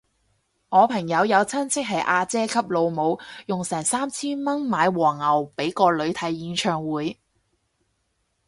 我朋友有親戚係阿姐級老母，用成三千蚊買黃牛俾個女睇演唱會